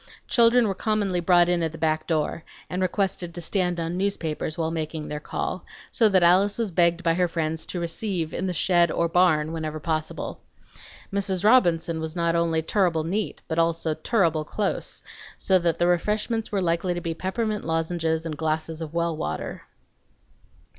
Children were commonly brought in at the back door, and requested to stand on newspapers while making their call, so that Alice was begged by her friends to "receive" in the shed or barn whenever possible. Mrs. Robinson was not only "turrible neat," but "turrible close," so that the refreshments were likely to be peppermint lozenges and glasses of well water.